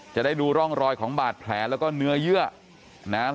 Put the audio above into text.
จะได้ดูร่องรอยของบาดแผลแล้วก็เนื้อเยื่อนะครับ